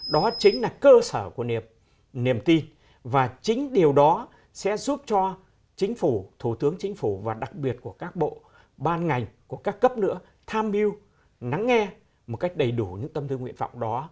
đó chính là cơ sở của niềm tin và chính điều đó sẽ giúp cho chính phủ thủ tướng chính phủ và đặc biệt của các bộ ban ngành của các cấp nữa tham mưu nắng nghe một cách đầy đủ những tâm tư nguyện vọng đó